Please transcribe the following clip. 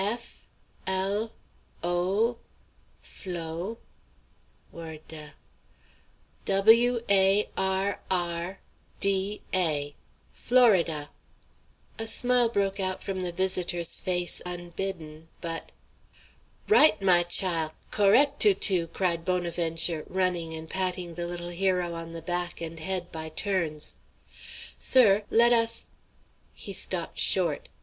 "F l o, flo, warr de warr da, Florida!" A smile broke from the visitor's face unbidden, but "Right! my chile! co'ect, Toutou!" cried Bonaventure, running and patting the little hero on the back and head by turns. "Sir, let us" He stopped short.